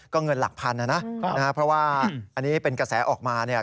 ก็เงินหลักพันนะนะเพราะว่าอันนี้เป็นกระแสออกมาเนี่ย